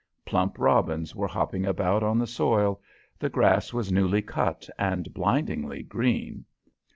Plump robins were hopping about on the soil; the grass was newly cut and blindingly green.